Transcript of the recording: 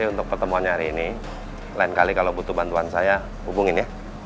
akhirnya pertemuan hari ini lain kali bantu bantuan saya hubungi ya